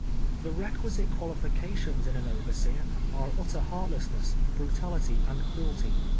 llic requisite qnaliiications in an ovei'seer are utter lieartlessness, brutality and cruelty.